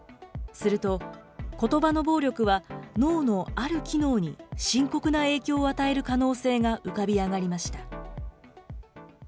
すると、ことばの暴力は、脳のある機能に深刻な影響を与える可能性が浮かび上がりました。